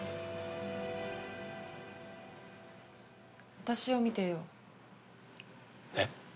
私を見てよえっ？